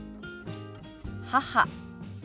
「母」。